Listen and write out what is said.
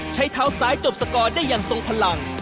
ใช้เท้าซ้ายจบสกอร์ได้อย่างทรงพลัง